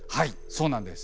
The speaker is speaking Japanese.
そうなんです。